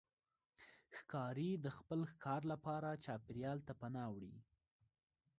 ښکاري د خپل ښکار لپاره چاپېریال ته پناه وړي.